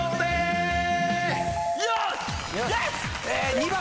２番！